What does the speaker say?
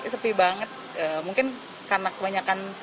sepi banget mungkin karena kebanyakan